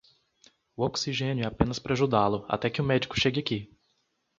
O oxigênio é apenas para ajudá-lo até que o médico chegue aqui.